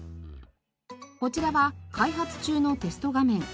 こちらは開発中のテスト画面。